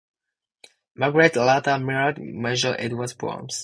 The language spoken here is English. Margaret later married Major Edward Bowes.